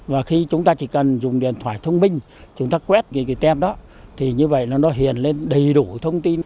và khi chúng ta chỉ cần dùng điện thoại thông minh chúng ta quét cái tem đó thì như vậy nó hiền lên đầy đủ thông tin